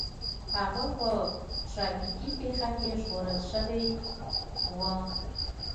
هغه په ټرافيکي پېښه کې ژغورل شوی و